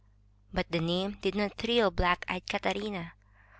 But the name did not thrill black eyed Catarina.